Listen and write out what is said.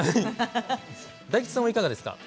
大吉さんはいかがですか。